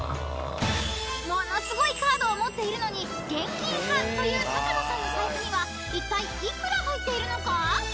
［ものすごいカードを持っているのに現金派というたかのさんの財布にはいったい幾ら入っているのか？］